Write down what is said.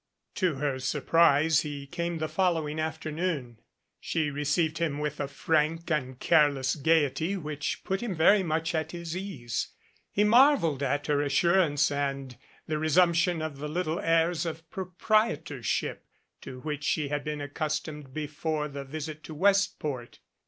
To her surprise, he came the following afternoon. She received him with a frank and careless gayety which put him very much at his ease. He marveled at her as surance and the resumption of the little airs of proprie torship to which he had been accustomed before the visit to Westport.